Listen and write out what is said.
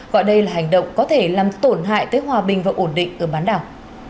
gọi đây là hành động có thể làm tổn hại tới hòa bình và ổn định ở bán đảo